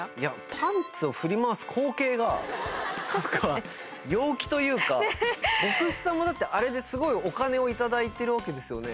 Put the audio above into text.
パンツを振り回す光景が何か陽気というか牧師さんもだってあれですごいお金を頂いてるわけですよね。